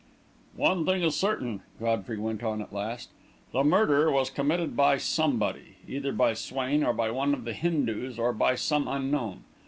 "One thing is certain," Godfrey went on, at last; "the murder was committed by somebody either by Swain, or by one of the Hindus, or by some unknown.